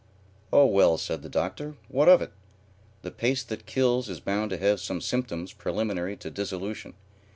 "Oh well," said the Doctor, "what of it? The pace that kills is bound to have some symptoms preliminary to dissolution.